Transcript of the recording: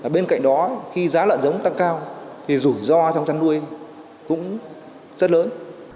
bên cạnh đó khi giá lợn giống tăng cao thì rủi ro trong chăn nuôi cũng rất lớn